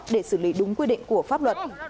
để xử lý đúng quy định của pháp luật